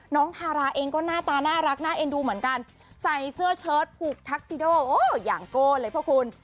ทาราเองก็หน้าตาน่ารักน่าเอ็นดูเหมือนกันใส่เสื้อเชิดผูกทักซิโดโอ้อย่างโก้เลยพวกคุณ